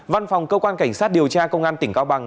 văn phòng cơ quan cảnh sát điều tra công an tỉnh cao bằng